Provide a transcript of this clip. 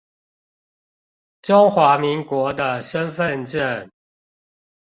中華民國的身分證